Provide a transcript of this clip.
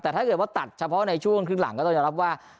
แต่ถ้าเกิดว่าตัดเฉพาะในช่วงครึ่งหลังก็ต้องยอมรับว่า